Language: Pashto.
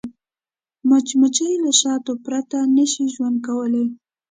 مچمچۍ له شاتو پرته نه شي ژوند کولی